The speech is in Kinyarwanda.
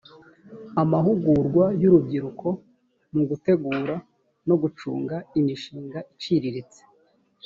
amahugurwa y’urubyiruko mu gutegura no gucunga imishinga iciriritse